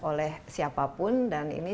oleh siapapun dan ini